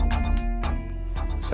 bagaimana menjawab tujuan istri